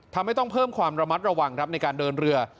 ทำให้ต้องเพิ่มความระมัดระวังครับในการเดินเรือ